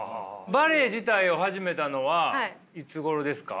バレエ自体を始めたのはいつごろですか？